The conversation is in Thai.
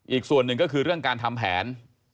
อีกส่วนหนึ่งก็คือเรื่องการทำแผน